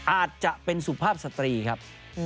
อาจจะเป็นสุภาพสตรีครับ